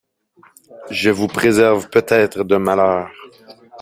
Je vous préserve peut-être d’un malheur.